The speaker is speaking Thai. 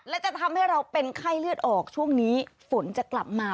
และจะทำให้เราเป็นไข้เลือดออกช่วงนี้ฝนจะกลับมา